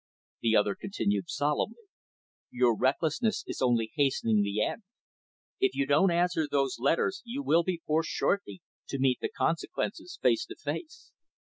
The other continued solemnly, "Your recklessness is only hastening the end. If you don't answer those letters you will be forced, shortly, to meet the consequences face to face."